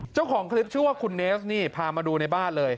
เจ้าของคลิปชื่อว่าคุณเนสนี่พามาดูในบ้านเลย